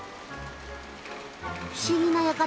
不思議な館